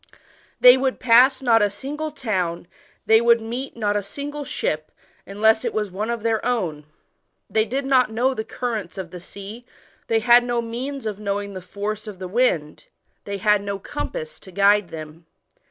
They would pass not a single town, they w^uld meet not a single ship, unless it was one of their own. Thoy did not know the currents of the sea, they had no means of knowing the force of the wind, they had no compass to guide them.